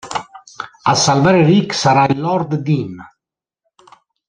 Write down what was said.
A salvare Rick sarà il lord Dean.